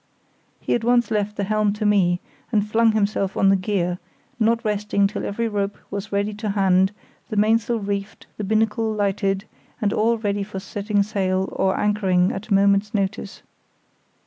He at once left the helm to me and flung himself on the gear, not resting till every rope was ready to hand, the mainsail reefed, the binnacle lighted, and all ready for setting sail or anchoring at a moment's notice.